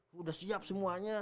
sudah siap semuanya